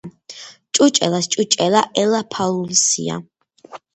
ჭუჭელას ჭუჭელა ელაფალუნსია.